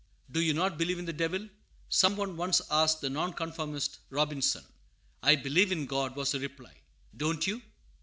"Do you not believe in the Devil?" some one once asked the Non conformist Robinson. "I believe in God," was the reply; "don't you?"